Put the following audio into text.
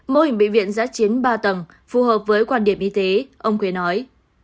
mô hình bệnh viện giá chiến ba tầng phù hợp với quan điểm y tế ông khuế nói